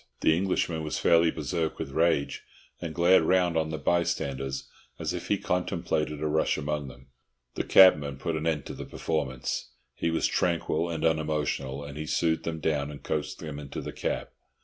The Englishman was fairly berserk with rage, and glared round on the bystanders as if he contemplated a rush among them. The cabman put an end to the performance. He was tranquil and unemotional, and he soothed them down and coaxed them into the cab.